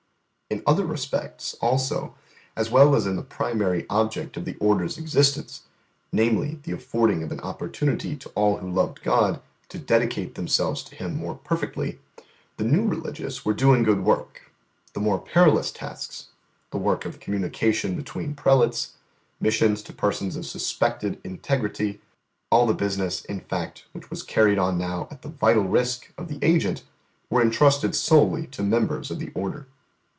In other respects, also, as well as in the primary object of the Order's existence (namely, the affording of an opportunity to all who loved God to dedicate themselves to Him more perfectly), the new Religious were doing good work. The more perilous tasks the work of communication between prelates, missions to persons of suspected integrity all the business, in fact, which was carried on now at the vital risk of the agent were entrusted solely to members of the Order.